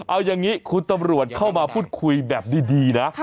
เอาอย่างนี้คุณตำรวจเข้ามาพูดคุยแบบดีนะ